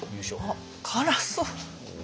あっ辛そう！